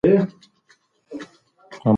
پوهه انسان ته ریښتیا ښیي.